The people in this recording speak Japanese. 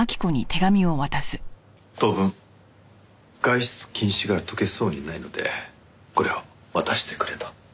当分外出禁止が解けそうにないのでこれを渡してくれと。